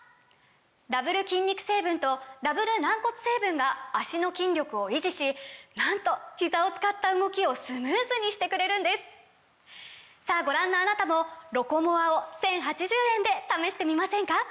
ダブル筋肉成分とダブル軟骨成分が脚の筋力を維持しなんとひざを使った動きをスムーズにしてくれるんですさぁご覧のあなたも「ロコモア」を１，０８０円で試してみませんか！